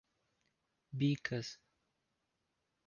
Bicas